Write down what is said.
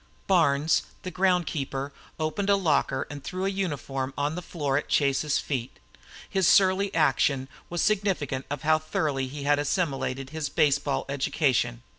Barnes, the ground keeper, opened a locker and threw a uniform on the floor at Chase's feet. His surly action was significant of how thoroughly he had assimilated his baseball education.